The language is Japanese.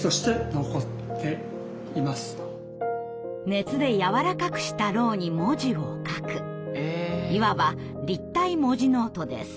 熱でやわらかくした蝋に文字を書くいわば立体文字ノートです。